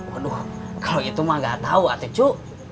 waduh kalau gitu mah gak tau atuh cu